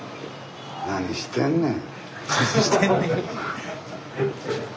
何してんねん。